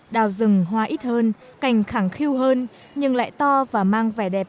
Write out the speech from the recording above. đào rừng hoa ít hơn cảnh khẳng khiu hơn nhưng lại to và mang vẻ đẹp